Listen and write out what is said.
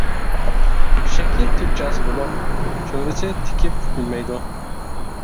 شەكلى تۆت چاسا بولۇپ، چۆرىسى تىكىپ پۈكۈلمەيدۇ.